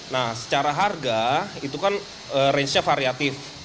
nah secara harga itu kan rangenya variatif